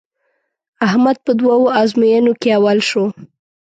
احمد په دوو ازموینو کې اول شو.